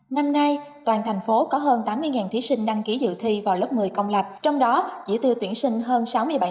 năm nay toàn thành phố có hơn tám mươi thí sinh đăng ký dự thi vào lớp một mươi công lập trong đó chỉ tiêu tuyển sinh hơn sáu mươi bảy